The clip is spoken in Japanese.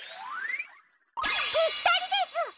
ぴったりです！